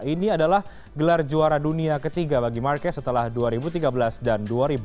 ini adalah gelar juara dunia ketiga bagi marquez setelah dua ribu tiga belas dan dua ribu dua puluh